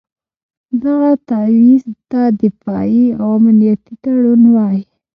دغه تعویض ته دفاعي او امنیتي تړون وایي.